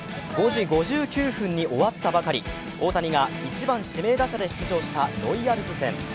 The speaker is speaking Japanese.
５時５９分に終わったばかり、大谷が１番・指名打者で出場したロイヤルズ戦。